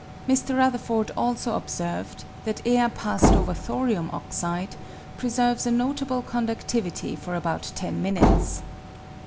Mr. Rutherford also observed that air passed over thorium oxide preserves a notable condudivity for about ten minutes.